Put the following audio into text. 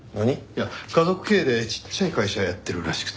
いや家族経営でちっちゃい会社やってるらしくて。